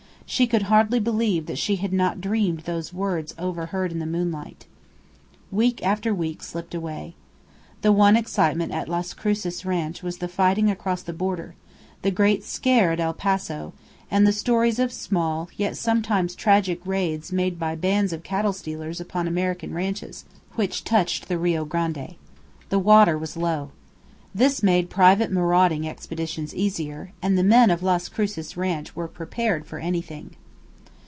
She could hardly believe that she had not dreamed those words overheard in the moonlight. Week after week slipped away. The one excitement at Las Cruces Ranch was the fighting across the border; the great "scare" at El Paso, and the stories of small yet sometimes tragic raids made by bands of cattle stealers upon American ranches which touched the Rio Grande. The water was low. This made private marauding expeditions easier, and the men of Las Cruces Ranch were prepared for anything.